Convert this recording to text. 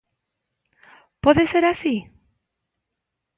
Pode ser así?